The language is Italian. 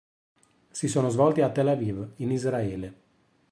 Si sono svolti a Tel Aviv, in Israele.